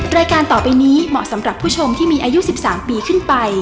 รายการต่อไปนี้เหมาะสำหรับผู้ชมที่มีอายุ๑๓ปีขึ้นไป